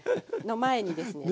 の前にですね